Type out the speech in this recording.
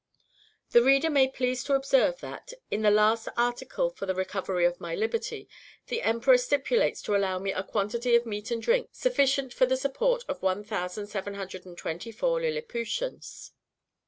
The reader may please to observe, that, in the last article for the recovery of my liberty, the emperor stipulates to allow me a quantity of meat and drink sufficient for the support of 1724 Lilliputians.